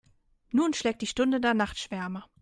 Nun schlägt die Stunde der Nachtschwärmer.